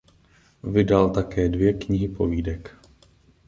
Vydal také dvě knihy povídek.